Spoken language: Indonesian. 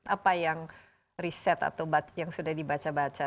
apa yang riset atau yang sudah dibaca baca